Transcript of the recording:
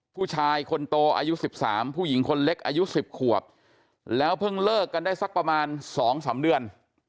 ผู้ชายคนโตอายุ๑๓ผู้หญิงคนเล็กอายุ๑๐ขวบแล้วเพิ่งเลิกกันได้สักประมาณ๒๓เดือน